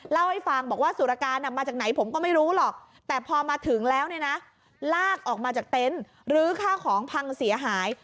เล่าให้ฟังบอกว่าสุรการมาจากไหนผมก็ไม่รู้หรอกแต่พอมาถึงแล้วเนี่ยนะลากออกมาจากเต็นต์ลื้อข้าวของพังเสียหาย